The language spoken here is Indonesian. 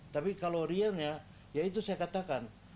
tapi kalau realnya ya itu saya katakan